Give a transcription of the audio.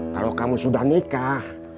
kalau kamu sudah nikah